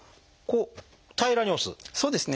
こう平らに押す？